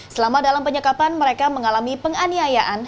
selama dalam penyekapan mereka mengalami penganiayaan